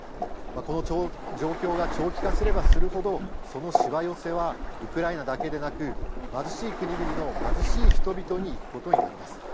この状況が長期化すればするほどそのしわ寄せはウクライナだけでなく貧しい国々の貧しい人々にいくことになります。